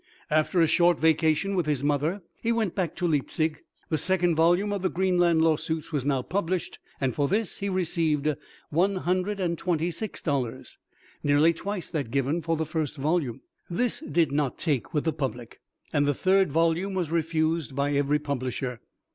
After a short vacation with his mother, he went back to Leipzig. The second volume of the "Greenland Lawsuits" was now published, and for this he received one hundred and twenty six dollars, nearly twice that given for the first volume. This did not take with the public, and the third volume was refused by every publisher.